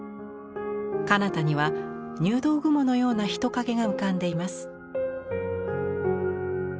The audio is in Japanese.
かなたには入道雲のような人影が浮かんでいます。